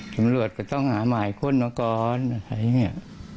ตำรวจก็ต้องหาหมายค้นมาก่อนอะไรอย่างนี้